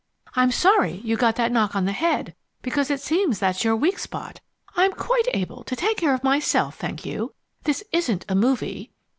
I'm sorry you got that knock on the head, because it seems that's your weak spot. I'm quite able to take care of myself, thank you. This isn't a movie."